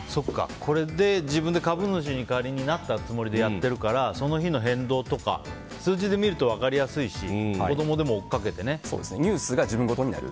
自分で株主に代わりになったつもりでやってるからその日の変動とか数字で見ると分かりやすいしニュースが自分事になる。